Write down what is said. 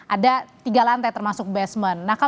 ada tiga lantai termasuk basement